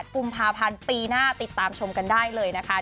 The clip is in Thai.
กุมภาพันธ์ปีหน้าติดตามชมกันได้เลยนะคะ